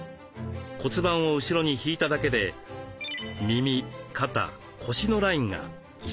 骨盤を後ろに引いただけで耳肩腰のラインが一直線になりました。